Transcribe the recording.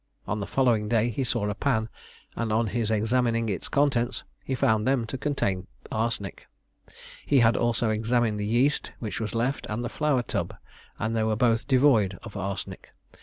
On the following day he saw a pan, and on his examining its contents he found them to contain arsenic. He had also examined the yeast which was left and the flour tub, and they were both devoid of arsenic.